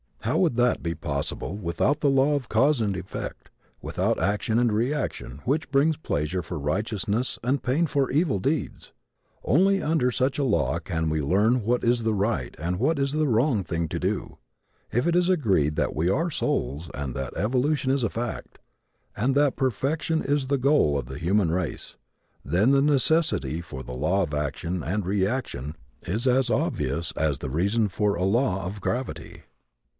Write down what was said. How would that be possible without the law of cause and effect, without action and reaction which brings pleasure for righteousness and pain for evil deeds? Only under such a law can we learn what is the right and what is the wrong thing to do. If it is agreed that we are souls, that evolution is a fact, and that perfection is the goal of the human race, then the necessity for the law of action and reaction is as obvious as the reason for a law of gravity.